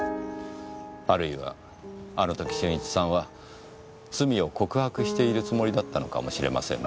あるいはあの時俊一さんは罪を告白しているつもりだったのかもしれませんねぇ。